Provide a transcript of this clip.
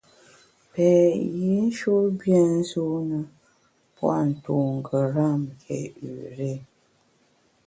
Pèt yinshut bia nzune pua’ ntu ngeram nké üré.